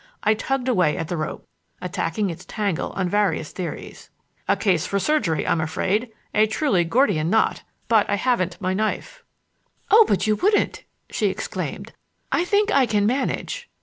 I tugged away at the rope, attacking its tangle on various theories. "A case for surgery, I'm afraid. A truly Gordian knot, but I haven't my knife." "Oh, but you wouldn't!" she exclaimed. "I think I can manage."